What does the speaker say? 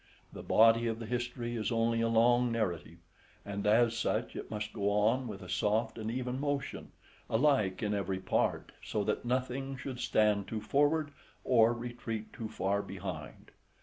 The body of the history is only a long narrative, and as such it must go on with a soft and even motion, alike in every part, so that nothing should stand too forward, or retreat too far behind.